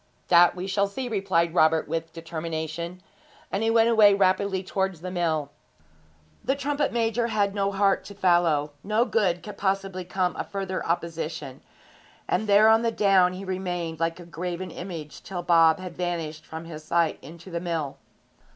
'That we shall see,' replied Robert with determination; and he went away rapidly towards the mill. The trumpet major had no heart to follow no good could possibly come of further opposition; and there on the down he remained like a graven image till Bob had vanished from his sight into the mill.